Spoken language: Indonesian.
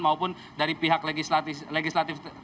maupun dari pihak legislatif